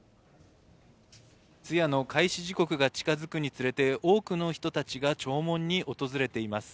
通夜の開始時刻が近づくにつれて、多くの人たちが弔問に訪れています。